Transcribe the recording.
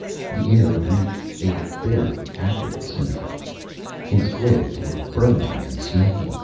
The air reeked, a bitter acrid smell. His clothes were burning and smoking.